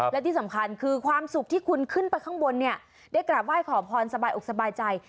และที่สำคัญคือความสุขที่คุณขึ้นไปข้างบนเนี่ยได้กราบไหว้ขอพรสบายอกสบายใจ